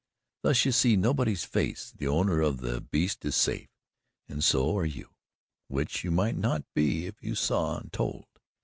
Thus you see nobody's face; the owner of the beast is safe, and so are you which you might not be, if you saw and told.